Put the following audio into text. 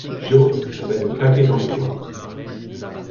Jo, elle va nous claquer dans les doigts.